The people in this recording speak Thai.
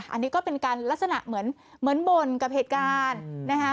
อันนี้ก็เป็นการลักษณะเหมือนเหมือนบ่นกับเหตุการณ์นะคะ